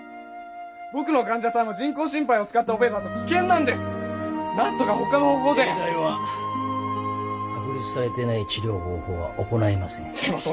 僕の患者さんは人工心肺を使ったオペだと危険なんです何とかほかの方法で・永大は確立されていない治療方法は行いません